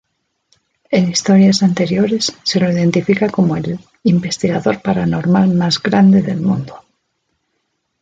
En historias anteriores, se lo identifica como el "Investigador Paranormal más grande del mundo".